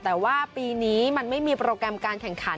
แต่ว่าปีนี้มันไม่มีโปรแกรมการแข่งขัน